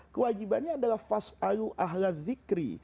kewajibannya adalah fas'alu ahl'adhikri